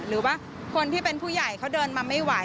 หรือว่าคนที่เป็นผู้ใหญ่เขาเดินมาไม่ไหว